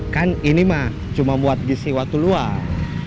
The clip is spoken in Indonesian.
kan ini cuma buat ngisi waktu luar